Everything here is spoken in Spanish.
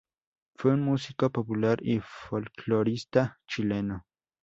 Fue un músico popular y folclorista chileno.